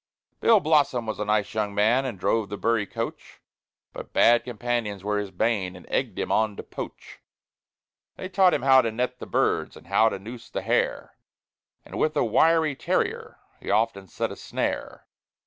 Bill Blossom was a nice young man, And drove the Bury coach; But bad companions were his bane, And egg'd him on to poach. They taught him how to net the birds, And how to noose the hare; And with a wiry terrier, He often set a snare.